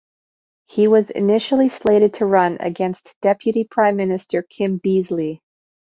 He was initially slated to run against Deputy Prime Minister Kim Beazley.